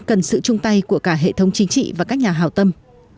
cần sự chung tay của cả hệ thống chính trị và các nhà hào tâm